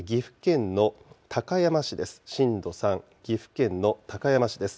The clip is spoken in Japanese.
震度３、岐阜県の高山市です。